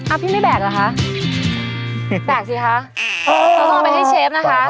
พี่ไม่แบกเหรอคะแบกสิคะอ่าเราต้องเอาไปให้เชฟนะคะ